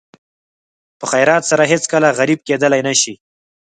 په خیرات سره هېڅکله غریب کېدلی نه شئ.